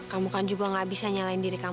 kamu kan juga gak bisa nyalain diri kamu